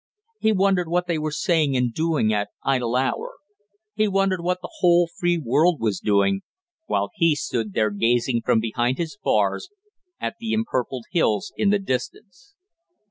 He wondered what they were saying and doing at Idle Hour; he wondered what the whole free world was doing, while he stood there gazing from behind his bars at the empurpled hills in the distance.